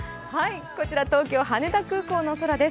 こちら東京・羽田空港の空です。